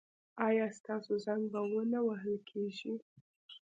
ایا ستاسو زنګ به و نه وهل کیږي؟